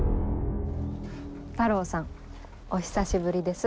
太郎さんお久しぶりです。